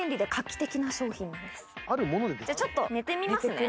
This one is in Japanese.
じゃあちょっと寝てみますね。